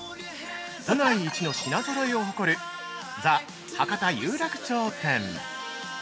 ◆都内一の品ぞろえを誇る「ザ・博多有楽町店」。